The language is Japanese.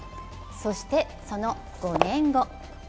そしてその５年後。